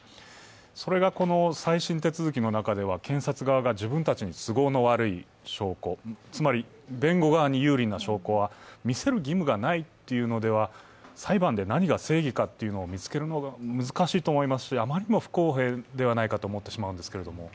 それがこの再審手続きの中では、検察側が自分たちに都合の悪い証拠、つまり弁護側に有利な証拠は見せる意味はないというのでは、裁判で何が正義かというのを見つけるのが難しいと思いますし、あまりにも不公平ではないかと思ってしまうんですけれども。